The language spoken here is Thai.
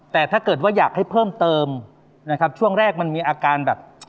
แต่ถ้าเกิดว่าอยากให้เพิ่มเติมนะครับช่วงแรกมันมีอาการแบบ